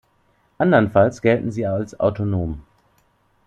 Andernfalls gelten sie als „autonom“.